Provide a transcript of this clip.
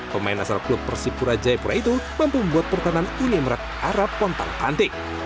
pemain asal klub persipura jaipura itu mampu membuat pertahanan uni emirat arab kontal pantik